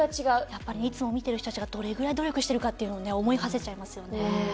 やっぱりいつも見てる人たちがどれぐらい努力してるかっていうのをね思いはせちゃいますよね。